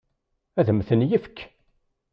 Ad m-ten-yefk?